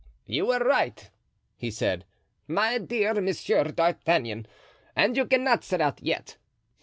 "You were right," he said, "my dear Monsieur d'Artagnan, and you cannot set out yet.